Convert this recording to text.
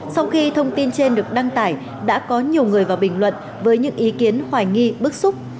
sau khi thông tin trên được đăng tải đã có nhiều người vào bình luận với những ý kiến hoài nghi bức xúc